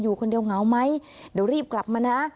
คนเดียวเหงาไหมเดี๋ยวรีบกลับมานะ